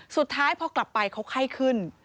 สุดท้ายพอกลับไปเขาไข้ขึ้น